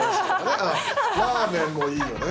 ラーメンもいいよね。